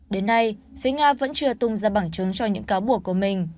đến nay phía nga vẫn chưa tung ra bằng chứng cho những cáo buộc của mình